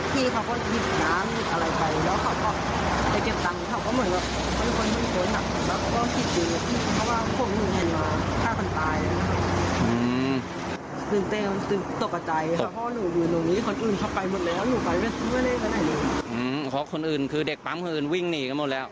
ถ้าพอหนูอยู่ตรงนี้คนอื่นพักไปหมดแล้วของคนอื่นคือเด็กปั๊มคนอื่นวิ่งหนีกันหมดแล้ว